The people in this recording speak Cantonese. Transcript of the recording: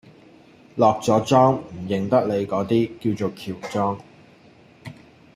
落咗妝唔認得你嗰啲，叫做喬裝